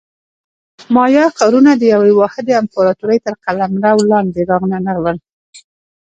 مایا ښارونه د یوې واحدې امپراتورۍ تر قلمرو لاندې رانغلل